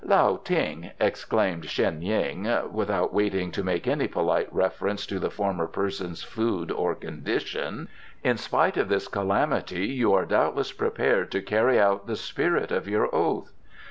"Lao Ting," exclaimed Sheng yin, without waiting to make any polite reference to the former person's food or condition, "in spite of this calamity you are doubtless prepared to carry out the spirit of your oath?"